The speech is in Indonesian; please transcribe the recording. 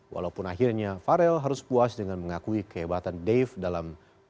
walaupun akhirnya farel harus puas dengan mengakui kehebatan dave dalam